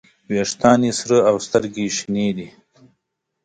ویښتان یې سره او سترګې یې شنې دي.